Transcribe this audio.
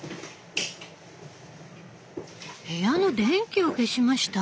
部屋の電気を消しました。